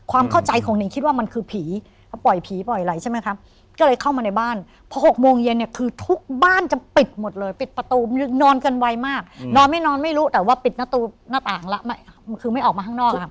ความเข้าใจของนิ่งคิดว่ามันคือผี